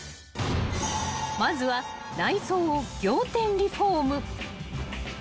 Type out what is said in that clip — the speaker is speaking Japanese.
［まずは内装を仰天リフォーム］